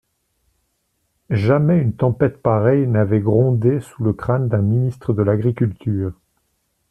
Jamais une tempête pareille n'avait grondé sous le crâne d'un ministre de l'agriculture.